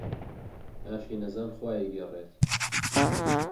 ئاشی نەزان خوا ئەیگێڕێت